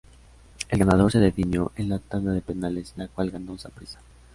El ganador se definió en la tanda de penales, la cual ganó Saprissa.